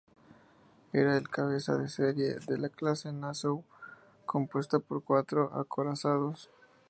Era el cabeza de serie de la Clase Nassau compuesta por cuatro acorazados.